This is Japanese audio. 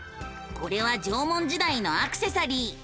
これは縄文時代のアクセサリー。